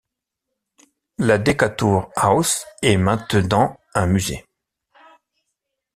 La Decatur House est maintenant un musée.